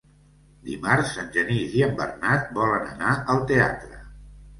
Dimarts en Genís i en Bernat volen anar al teatre.